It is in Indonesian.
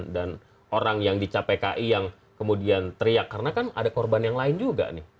dan orang yang dicapai pki yang kemudian teriak karena kan ada korban yang lain juga nih